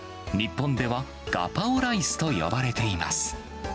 日本ではガパオライスと呼ばれています。